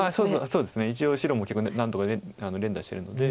そうですね一応白も結構何とか連打してるので。